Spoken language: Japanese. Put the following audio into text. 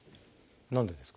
何でですか？